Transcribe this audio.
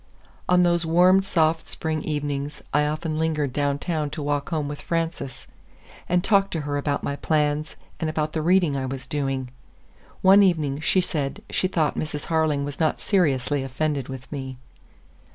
On those warm, soft spring evenings I often lingered downtown to walk home with Frances, and talked to her about my plans and about the reading I was doing. One evening she said she thought Mrs. Harling was not seriously offended with me.